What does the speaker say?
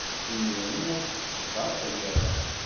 Imiren ad d-teḥḍer taggara.